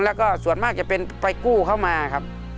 แล้วก็ส่วนมากจะเป็นไปกู้เข้ามาครับ